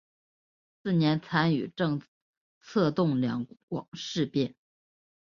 次年参与策动两广事变。